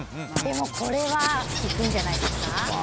これはいくんじゃないですか？